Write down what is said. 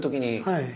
はい。